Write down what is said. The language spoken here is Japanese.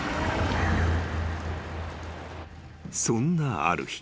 ［そんなある日］